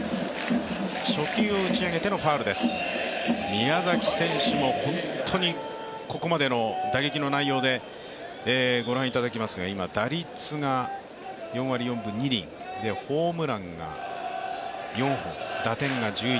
宮崎選手もここまでの打撃の内容でご覧いただきますが、今、打率が４割４分２厘、ホームランが４本、打点が１１。